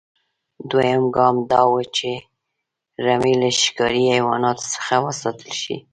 دویم ګام دا و چې رمې له ښکاري حیواناتو څخه وساتل شي.